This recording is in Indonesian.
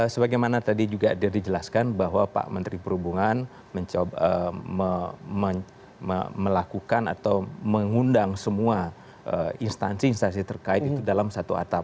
sebagaimana tadi juga dijelaskan bahwa pak menteri perhubungan melakukan atau mengundang semua instansi instansi terkait itu dalam satu atap